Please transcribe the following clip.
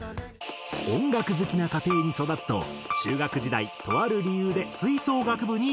音楽好きな家庭に育つと中学時代とある理由で吹奏楽部に入部。